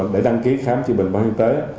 để đăng ký khám chữa bệnh bảo hiểm y tế